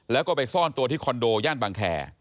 แล้วก็ไปซ่อนตัวที่คอนโดย่านบางแคร์